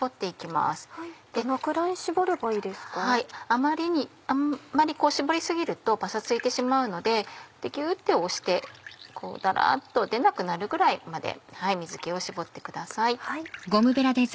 あんまり絞り過ぎるとパサついてしまうのでギュって押してダラっと出なくなるぐらいまで水気を絞ってください。